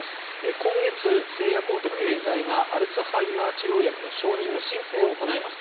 今月、製薬大手のエーザイがアルツハイマーの新薬の申請を行いました。